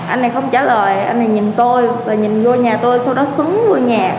anh này không trả lời anh này nhìn tôi và nhìn vô nhà tôi sau đó xuống vô nhà